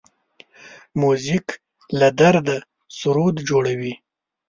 موزیک له درده سرود جوړوي.